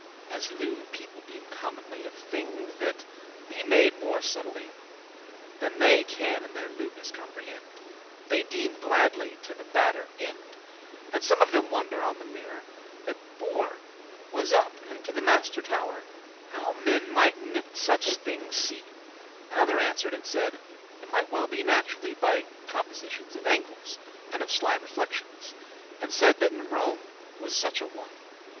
As lewed* people deeme commonly *ignorant Of thinges that be made more subtilly Than they can in their lewdness comprehend; They *deeme gladly to the badder end.* *are ready to think And some of them wonder'd on the mirrour, the worst* That borne was up into the master* tow'r, *chief <15> How men might in it suche thinges see. Another answer'd and said, it might well be Naturally by compositions Of angles, and of sly reflections; And saide that in Rome was such a one.